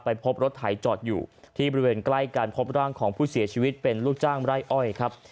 พบรถไถจอดอยู่ที่บริเวณใกล้การพบร่างของผู้เสียชีวิตเป็นลูกจ้างไร่อ้อยครับ